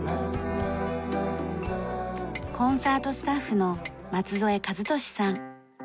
コンサートスタッフの松添和敏さん。